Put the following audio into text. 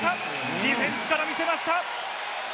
ディフェンスから見せました。